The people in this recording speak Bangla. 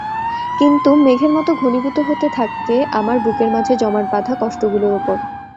কিন্তু মেঘের মতো ঘনীভূত হতে থাকে আমার বুকের মাঝে জমাটবাঁধা কষ্টগুলোর ওপর।